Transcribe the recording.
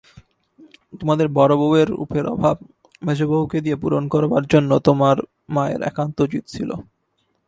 তোমাদের বড়োবউয়ের রূপের অভাব মেজবউকে দিয়ে পূরণ করবার জন্যে তোমার মায়ের একান্ত জিদ ছিল।